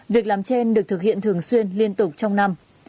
việc làm trên được thực hiện thường xuyên liên tục trong năm